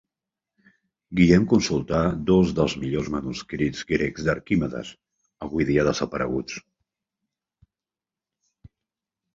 Guillem consultà dos dels millors manuscrits grecs d'Arquimedes, avui dia desapareguts.